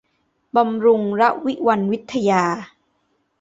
บำรุงระวิวรรณวิทยา